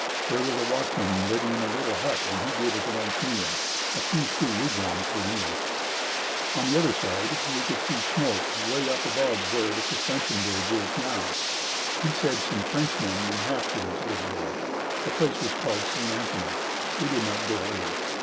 There was a watchman living in a little hut and he gave us a nice meal. A few Sioux wigwams were near. On the other side, we could see smoke 'way up above where the suspension bridge now is. He said some Frenchmen and half breeds lived there. The place was called St. Anthony. We did not go over.